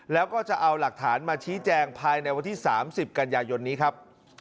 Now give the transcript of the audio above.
แล้วก็จะเอาหลักฐานมาชี้แจงภายในวันที่๓๐กันยายนนี้ครับ